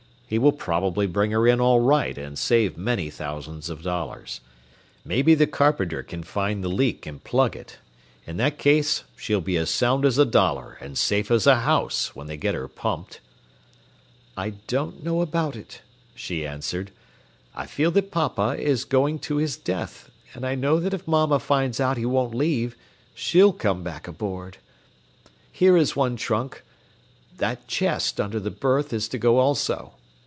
He will probably bring her in all right and save many thousands of dollars. Maybe the carpenter can find the leak and plug it. In that case she'll be as sound as a dollar and safe as a house, when they get her pumped." "I don't know about it," she answered; "I feel that papa is going to his death, and I know that if mamma finds out he won't leave, she'll come back aboard. Here is one trunk. That chest under the berth is to go also.